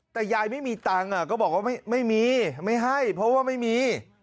แต่ยายไม่มีตังค์ก็บอกว่าไม่มีไม่ให้เพราะว่าไม่มี